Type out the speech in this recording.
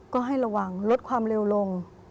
ก็ให้ระวังลดความเร็วลง